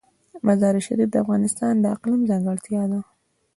مزارشریف د افغانستان د اقلیم ځانګړتیا ده.